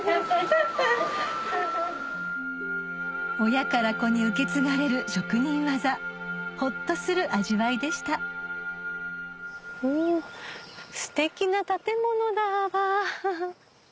親から子に受け継がれる職人技ホッとする味わいでしたステキな建物だ。